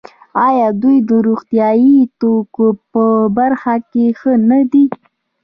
آیا دوی د روغتیايي توکو په برخه کې ښه نه دي؟